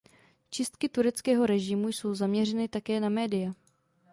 Čistky tureckého režimu jsou zaměřeny také na média.